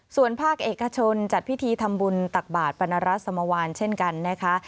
ส่วนภาคเอกชนจัดพิธีทำบุญตักบาทปรณรัฐสมวานเช่นกันนะคะ